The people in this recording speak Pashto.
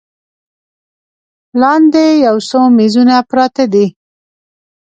لاندې یو څو میزونه پراته دي.